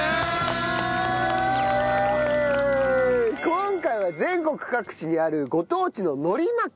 今回は全国各地にあるご当地の海苔巻き。